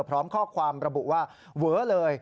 พร้อมข้อความระบุว่าเว้อเลย